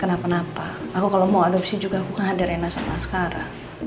kenapa kenapa aku kalau mau adopsi juga aku kan ada rina sama asqara